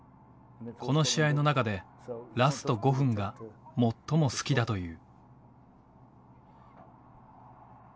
この試合の中でラスト５分が最も好きだという。